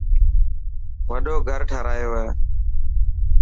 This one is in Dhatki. وڏو گهر ٺارايو هي.